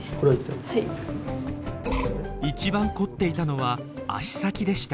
一番凝っていたのは足先でした。